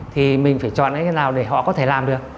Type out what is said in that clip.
thì mình phải chọn cái nào để họ có thể làm được